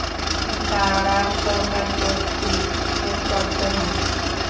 তারা সরকার কর্তৃক নিয়োগপ্রাপ্ত হন।